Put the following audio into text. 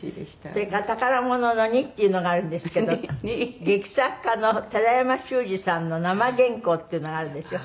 それから宝物の２っていうのがあるんですけど劇作家の寺山修司さんの生原稿っていうのがあるんですよ。